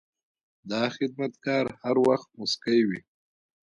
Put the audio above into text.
دا خدمتګار هر وخت موسکی وي.